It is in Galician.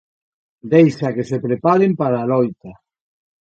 Deixa que se preparen para a loita.